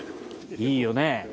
いいよね。